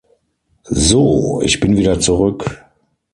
So, ich bin wieder zurück.